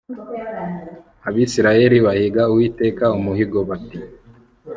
Abisirayeli bahiga Uwiteka umuhigo bati